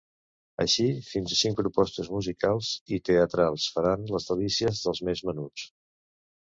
Així, fins a cinc propostes musicals i teatrals faran les delícies dels més menuts.